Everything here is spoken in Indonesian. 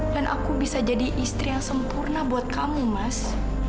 dan aku bisa jadi istri yang sempurna buat kamu mas